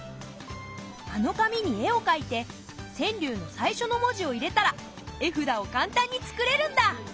あの紙に絵を描いて川柳の最初の文字を入れたら絵札を簡単につくれるんだ。